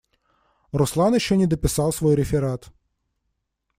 Руслан еще не дописал свой реферат.